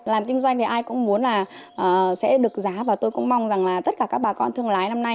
làm kinh doanh thì ai cũng muốn là sẽ được giá và tôi cũng mong rằng là tất cả các bà con thương lái năm nay